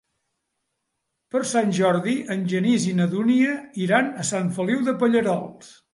Per Sant Jordi en Genís i na Dúnia iran a Sant Feliu de Pallerols.